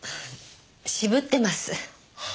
渋ってます。